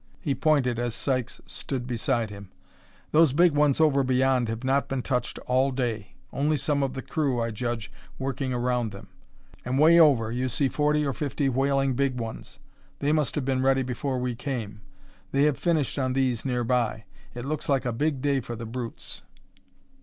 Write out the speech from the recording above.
He pointed as Sykes stood beside him. "Those big ones over beyond have not been touched all day; only some of the crew, I judge, working around them. And way over you see forty or fifty whaling big ones: they must have been ready before we came. They have finished on these nearer by. It looks like a big day for the brutes."